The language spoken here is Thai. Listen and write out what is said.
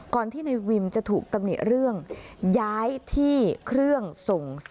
ก่อนที่นายวิมจะถูกตำนีเรื่อง